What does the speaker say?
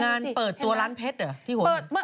งานเปิดตัวร้านเพชรเหรอ